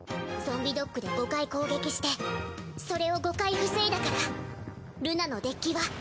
ゾンビドッグで５回攻撃してそれを５回防いだからルナのデッキは。